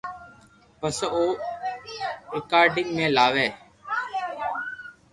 پسي او رآڪارد ۾ لاوي